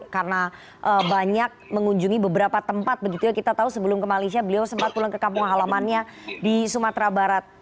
karena banyak mengunjungi beberapa tempat begitu kita tahu sebelum ke malaysia beliau sempat pulang ke kampung halamannya di sumatera barat